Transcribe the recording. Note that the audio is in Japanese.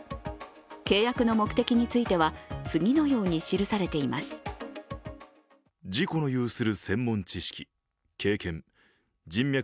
契約の目的については次のように記されています。